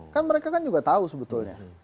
kan mereka kan juga tahu sebetulnya